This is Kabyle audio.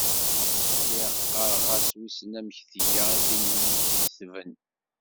Lliɣ qqareɣ-as wissen amek tga tin i y-iketben.